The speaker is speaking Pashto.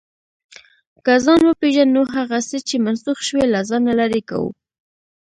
که ځان وپېژنو، هغه څه چې منسوخ شوي، له ځانه لرې کوو.